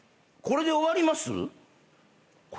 「これで終わります」？